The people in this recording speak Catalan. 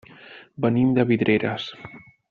Venim de Vidreres.